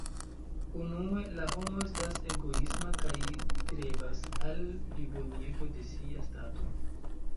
Unue, la homo estas egoisma kaj strebas al plibonigo de sia stato.